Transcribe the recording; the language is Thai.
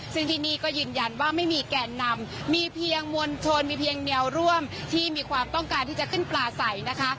ซึ่งที่นี่ก็ยืนยันว่าไม่มีแกนนำมีเพียงมวลชนมีเพียงแนวร่วมที่มีความต้องการที่จะขึ้นปลาใสนะคะ